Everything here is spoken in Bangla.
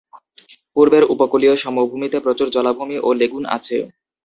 পূর্বের উপকূলীয় সমভূমিতে প্রচুর জলাভূমি ও লেগুন আছে।